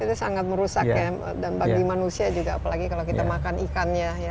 itu sangat merusak ya dan bagi manusia juga apalagi kalau kita makan ikannya